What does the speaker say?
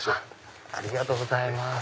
ありがとうございます。